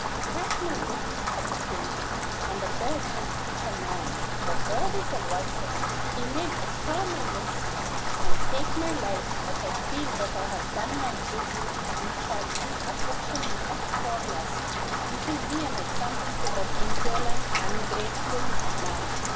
"A cat may look at a king; and a bird may teach a man, if the bird is the wisest. He may destroy my nest, and take my life; but I feel that I have done my duty, and shall meet affliction with a firmness which will be an example to that indolent, ungrateful man."